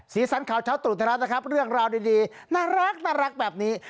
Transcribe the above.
สันข่าวเช้าตรู่ไทยรัฐนะครับเรื่องราวดีน่ารักแบบนี้